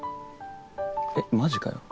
えっマジかよ？